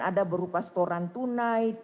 ada berupa setoran tunai